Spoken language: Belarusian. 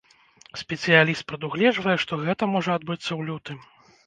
Спецыяліст прадугледжвае, што гэта можа адбыцца ў лютым.